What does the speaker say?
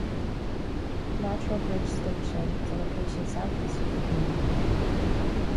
Natural Bridge Station is a location southeast of the community.